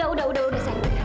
udah udah udah sayang